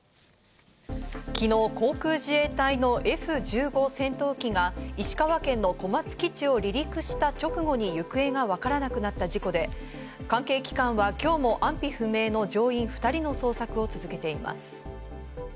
昨日、航空自衛隊のＦ１５戦闘機が石川県の小松基地を離陸した直後に行方がわからなくなった事故で、関係機関は今日も安否不明の乗員２人の捜索を続けています。